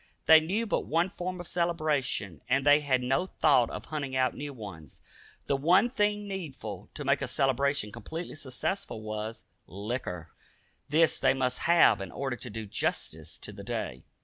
They knew but one form of celebration, and they had no thought of hunting out new ones. The one thing needful to make a celebration completely successful was liquor. This they must have in order to do justice to the day.